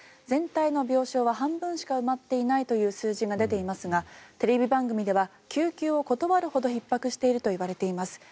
全体の病床は半分しか埋まっていないという数字が出ていますがテレビ番組では救急を断るほどひっ迫しているといわれています